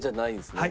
はい。